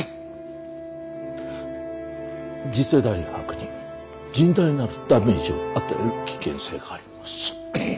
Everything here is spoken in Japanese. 次世代博に甚大なるダメージを与える危険性があります。